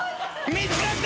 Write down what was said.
見つかった！